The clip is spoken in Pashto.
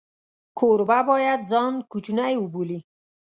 کوربه باید ځان کوچنی وبولي.